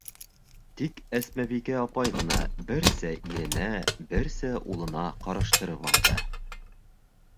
Тик Әсмәбикә апай ғына берсә иренә, берсә улына ҡараштырып алды.